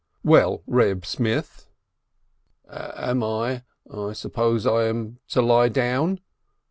"Well, Reb Smith." "Am I ... I suppose I am to lie down